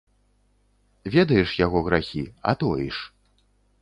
Ведаеш яго грахі, а тоіш.